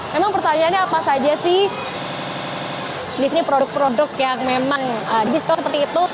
memang pertanyaannya apa saja sih di sini produk produk yang memang di diskon seperti itu